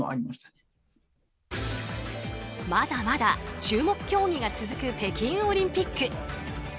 まだまだ注目競技が続く北京オリンピック。